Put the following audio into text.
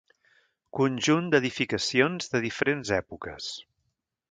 Conjunt d'edificacions de diferents èpoques.